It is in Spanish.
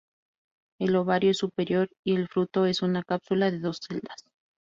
El ovario es superior y el fruto es una cápsula de dos celdas.